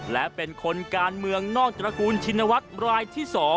และเป็นคนการเมืองนอกตระกูลชินวัฒน์รายที่๒